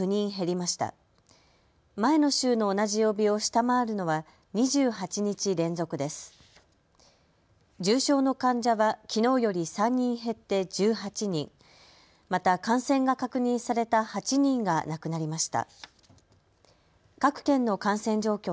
また感染が確認された８人が亡くなりました。